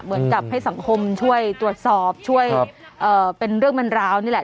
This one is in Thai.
เหมือนกับให้สังคมช่วยตรวจสอบช่วยเป็นเรื่องเป็นราวนี่แหละ